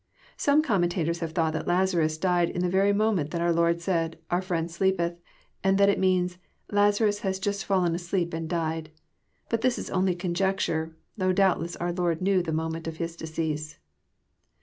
Some commentators have thought that Lazarus died in the very moment that our Lord said, <* Our friend sleepeth," and that it means, Lazarus has Jast fallen asleep and died." But tills is only conjecture, though doubtless our Lord knew the moment of his decease.